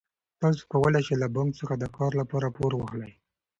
تاسو کولای شئ له بانک څخه د کار لپاره پور واخلئ.